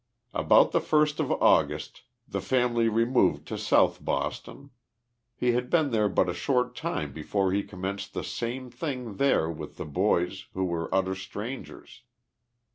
About the tirst of August the family removed to South Boston. He had been there but a short time before he com menced the same thing there with the boys, who were utter strangers.